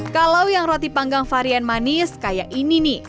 kalau yang roti panggang varian manis kayak ini nih